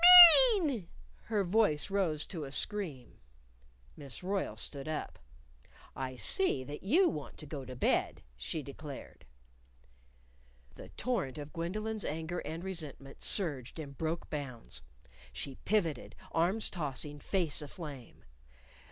mean!" Her voice rose to a scream. Miss Royle stood up. "I see that you want to go to bed," she declared. The torrent of Gwendolyn's anger and resentment surged and broke bounds. She pivoted, arms tossing, face aflame.